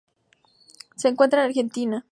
Se encuentra en Argentina.